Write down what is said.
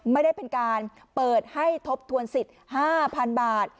ไม่ได้เป็นการเปิดให้ทบทวนสิทธิ์๕๐๐๐บาท